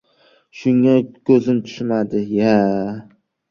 — Shunga ko‘zim tushmadi-ya!